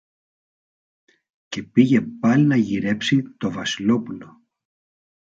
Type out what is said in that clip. Και πήγε πάλι να γυρέψει το Βασιλόπουλο.